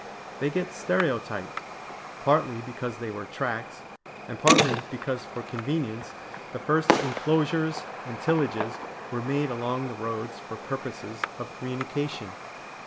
They get stereotyped, partly because they were tracks, and partly because for convenience the first enclosures and tillages were made along the roads for purposes of communication.